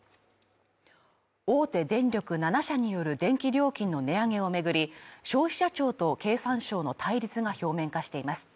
大手電力７社による電気料金の値上げを巡り、消費者庁と経産省の対立が表面化しています。